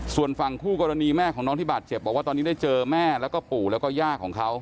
ส่วนฝั่งคู่กรณีแม่ของน้องที่บาดเจ็บบอกว่าตอนนี้ได้เจอแม่แล้วก็ปู่แล้วก็ย่าของเขา